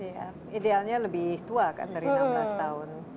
iya idealnya lebih tua kan dari enam belas tahun